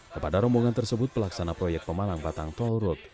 kepada rombongan tersebut pelaksana proyek pemalang batang toll road